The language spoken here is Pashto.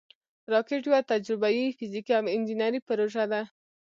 راکټ یوه تجربهاي، فزیکي او انجینري پروژه ده